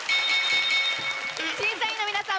審査員の皆さん